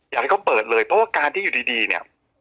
อยากให้เขาเปิดเลยเพราะว่าการที่อยู่ดีเนี่ย